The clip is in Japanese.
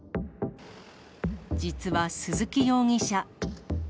実は鈴木容疑者。